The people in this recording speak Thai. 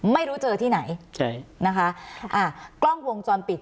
ไม่รู้เจอที่ไหนใช่นะคะอ่ากล้องวงจรปิด